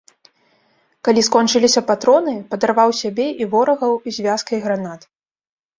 Калі скончыліся патроны, падарваў сябе і ворагаў звязкай гранат.